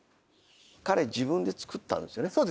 彼自分で作ったんですよね？